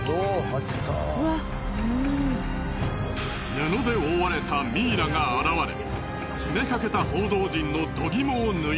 布で覆われたミイラが現れ詰めかけた報道陣の度肝を抜いた。